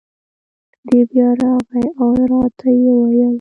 دی بیا راغی او را ته یې وویل: